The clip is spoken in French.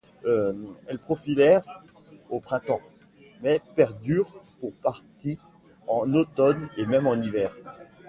Elle prolifère au printemps, mais perdure pour partie en automne et même en hiver.